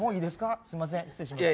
すいません、失礼します。